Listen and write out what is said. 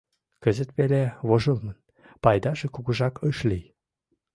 Кызыт веле вожылмын пайдаже кугужак ыш лий.